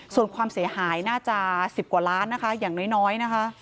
ส่วนความเสียหายน่าจะ๑๐กว่าล้านนะคะอย่างน้อยนะคะ